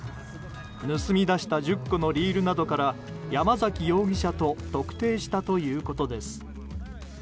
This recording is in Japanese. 盗み出した１０個のリールなどから山崎容疑者と特定したということです。